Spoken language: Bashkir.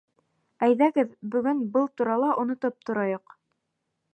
Әйҙәгеҙ, бөгөн был турала онотоп торайыҡ.